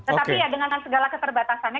tetapi ya dengan segala keterbatasannya